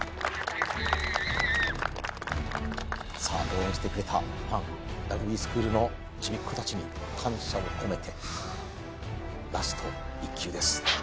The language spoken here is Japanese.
さあ応援してくれたファンラグビースクールのちびっ子たちに感謝を込めてラスト１球です